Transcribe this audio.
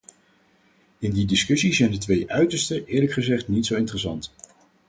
In die discussie zijn de twee uitersten eerlijk gezegd niet zo interessant.